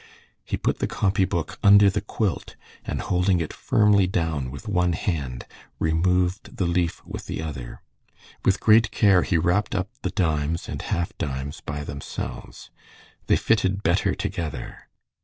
He put the copy book under the quilt, and holding it down firmly with one hand, removed the leaf with the other. With great care he wrapped up the dimes and half dimes by themselves. They fitted better together.